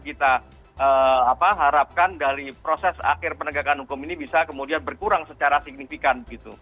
kita harapkan dari proses akhir penegakan hukum ini bisa kemudian berkurang secara signifikan